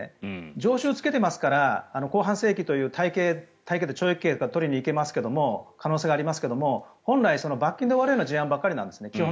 常習をつけていますから公判請求という懲役刑とか取りに行ける可能性がありますが本来、罰金で終わるような事案ばかりなんです。